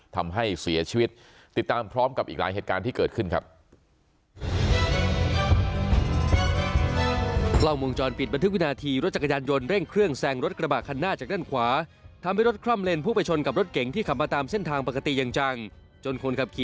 ทำให้เสียชีวิตติดตามพร้อมกับอีกหลายเหตุการณ์ที่เกิดขึ้นครับ